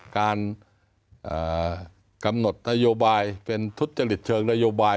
การกำหนดนโยบายเป็นทุจริตเชิงนโยบาย